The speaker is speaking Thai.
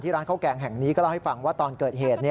ร้านข้าวแกงแห่งนี้ก็เล่าให้ฟังว่าตอนเกิดเหตุ